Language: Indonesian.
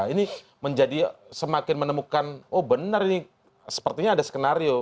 ini menjadi semakin menemukan oh benar ini sepertinya ada skenario